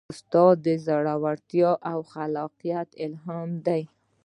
استاد د زړورتیا او خلاقیت الهام دی.